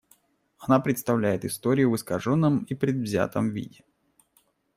Она представляет историю в искаженном и предвзятом виде.